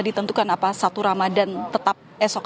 ditentukan apa satu ramadan tetap esok